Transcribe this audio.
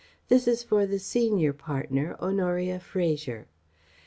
This is for the senior partner, Honoria Fraser.